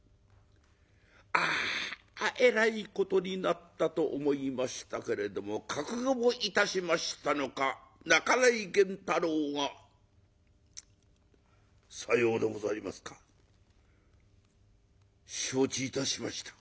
あえらいことになったと思いましたけれども覚悟をいたしましたのか半井源太郎が「さようでございますか。承知いたしました。